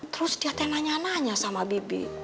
terus dia tanya nanya nanya sama bibi